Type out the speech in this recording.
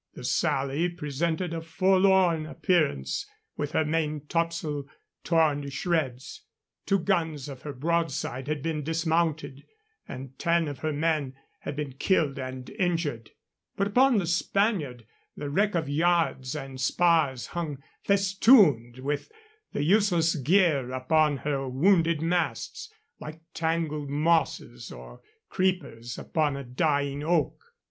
The Sally presented a forlorn appearance with her main topsail torn to shreds. Two guns of her broadside had been dismounted and ten of her men had been killed and injured; but upon the Spaniard the wreck of yards and spars hung festooned with the useless gear upon her wounded masts, like tangled mosses or creepers upon a dying oak.